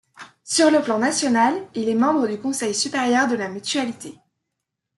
Sur le plan national, il est membre du Conseil supérieur de la Mutualité.